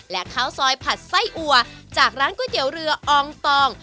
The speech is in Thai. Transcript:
และข้าวซอยผัดไส้อัวจากร้านก๋วยเตี๋ยวเรืออองตอง